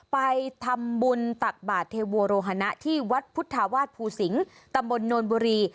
ไปทำบุญตักบาทเทโวโรหนะที่วัดพุทธวาสภูสิงศ์ตำบลโนนบุรี